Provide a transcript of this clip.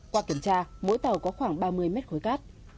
qua kiểm tra mỗi tàu có khoảng ba mươi mét khối cát